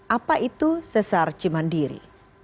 apa itu sesar cimandiri